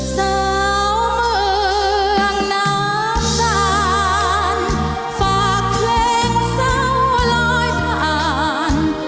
สาวเมืองน้ำสานฝากเพลงสาวลอยผ่าน